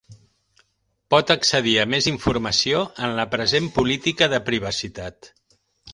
Pot accedir a més informació en la present política de privacitat.